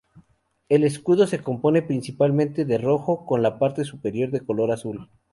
El escudo se compone principalmente de rojo, con la parte superior de color azul.